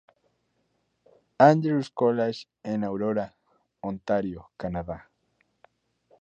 Andrew's College en Aurora, Ontario, Canadá.